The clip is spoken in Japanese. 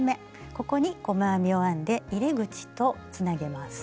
ここに細編みを編んで入れ口とつなげます。